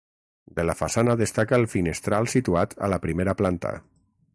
De la façana destaca el finestral situat a la primera planta.